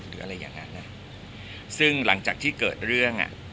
หรืออะไรอย่างนั้นอ่ะซึ่งหลังจากที่เกิดเรื่องอ่ะ